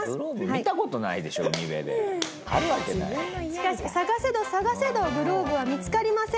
しかし探せど探せどグローブは見付かりません。